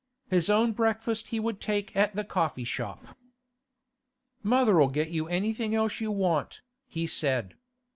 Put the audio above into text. His own breakfast he would take at the coffee shop. 'Mother'll get you anything else you want,' he said.